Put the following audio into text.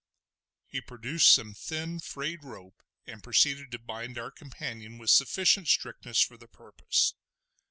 He produced some thin frayed rope and proceeded to bind our companion with sufficient strictness for the purpose.